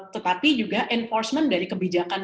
tetapi juga enforcement dari kebijakan